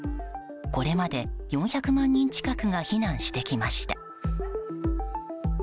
これまで４００万人近くが避難してきました。